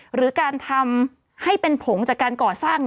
หรือการทำให้เป็นผงจากการก่อสร้าง